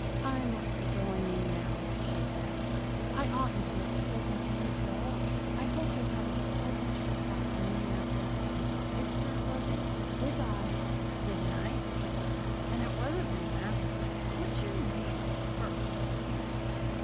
"'I must be going in now,' says she. 'I oughtn't to have spoken to you at all. I hope you'll have a pleasant trip back to Minneapolis or Pittsburgh, was it? Good bye!' "'Good night,' says I, 'and it wasn't Minneapolis. What's your name, first, please?'